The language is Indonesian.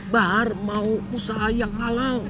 bar mau usaha yang halal